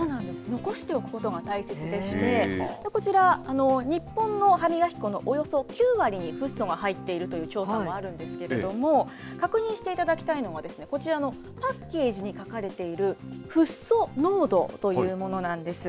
残しておくことが大切でして、こちら日本の歯磨き粉のおよそ９割にフッ素が入っているという調査もあるんですけれども、確認していただきたいのは、こちらのパッケージに書かれているフッ素濃度というものなんです。